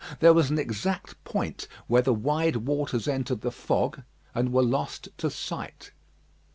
There was an exact point where the wide waters entered the fog, and were lost to sight.